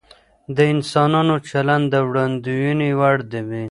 د انسانانو چلند د وړاندوينې وړ وي.